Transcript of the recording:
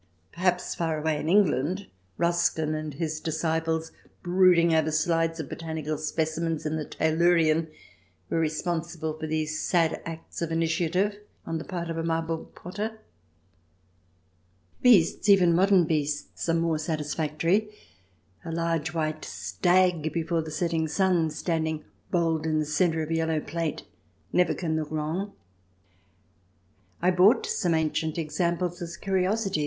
Perhaps far away in Eng land, Ruskin and his disciples, brooding over slides of botanical specimens in the Tayleurian, were responsible for these sad acts of initiative on the part of a Marburg potter ? Beasts — even modern beasts — are more satisfac tory. A large white stag before the setting sun standing bold in the centre of a yellow plate never can look wrong. I bought some ancient examples as curiosities; CH.